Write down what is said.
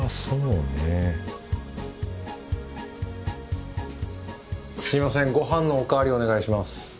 すみませんごはんのおかわりお願いします。